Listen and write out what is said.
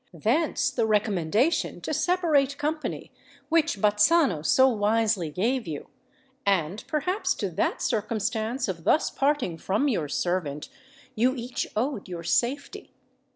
Thence the recommendation to separate company, which Bazzano so wisely gave you; and perhaps to that circumstance of thus parting from your servant you each owed your safety.